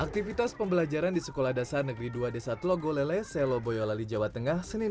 aktivitas pembelajaran di sekolah dasar negeri dua desa tlogo lele selo boyolali jawa tengah senin